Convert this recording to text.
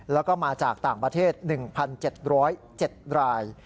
แล้วก็มาจากต่างประเทศ๑๗๐๗ราย